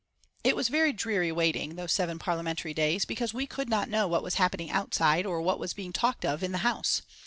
It was very dreary waiting, those seven Parliamentary days, because we could not know what was happening outside, or what was being talked of in the House.